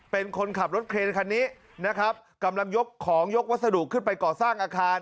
เป็นคนขับรถเครนคันนี้นะครับกำลังยกของยกวัสดุขึ้นไปก่อสร้างอาคาร